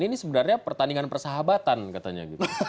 ini sebenarnya pertandingan persahabatan katanya